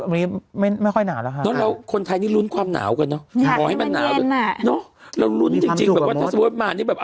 จริงเหรออาทิตย์หน้าจะไปพิศนุโรค